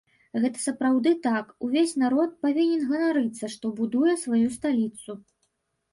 Гэта сапраўды так, увесь народ павінен ганарыцца, што будуе сваю сталіцу.